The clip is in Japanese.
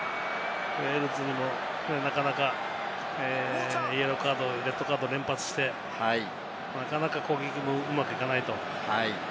ウェールズにもなかなかイエローカード、レッドカードを連発して攻撃のリズムがうまくいかないと。